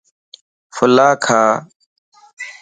ڦلا کا